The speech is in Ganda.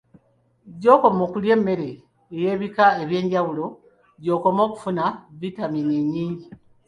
Gy'okoma okulya emmere ey'ebika eby'enjawulo gy'okoma okufuna vitamiini ennyingi